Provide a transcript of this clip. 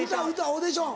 オーディション。